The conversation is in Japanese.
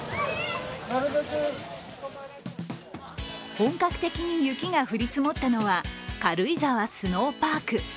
本格的に雪が降り積もったのは軽井沢スノーパーク。